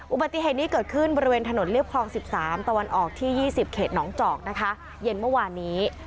อุบัติเหตุนี้เกิดขึ้นบริเวณถนนเรียบคลอง๑๓ตะวันออกที่๒๐เขตหนองจอกนะคะเย็นเมื่อวานนี้